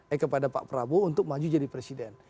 eh kepada pak prabowo untuk maju jadi presiden